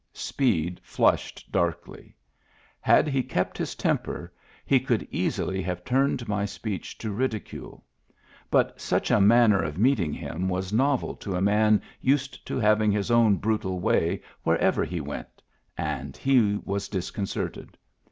Speed flushed darkly. Had he kept his temper, he could easily have turned my speech to ridicule. But such a manner of meeting him was novel to a man used to having his own brutal way wher ever he went, and he was disconcerted.